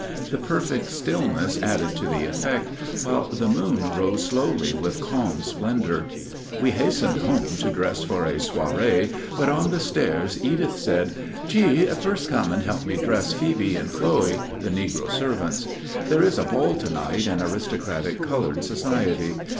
The perfect stillness added to the effect, while the moon rose slowly with calm splendor. We hastened home to dress for a soirée but on the stairs Edith said, "G., first come and help me dress Phoebe and Chloe [the negro servants]. There is a ball to night in aristocratic colored society.